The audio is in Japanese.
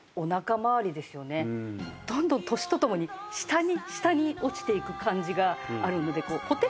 どんどん年とともに下に下に落ちていく感じがあるのでポテッていう。